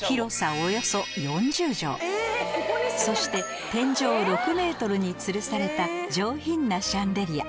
およそそして天井６ｍにつるされた上品なシャンデリア